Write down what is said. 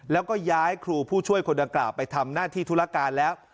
แล้วก็ย้ายครูผู้ช่วยคนดังกล่าวไปทำหน้าที่ธุรการแล้ว